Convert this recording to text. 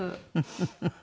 フフフフ。